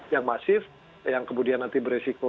yang masif yang kemudian nanti beresiko